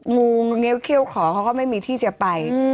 งูเงี้ยวเขี้ยวขอเขาก็ไม่มีที่จะไป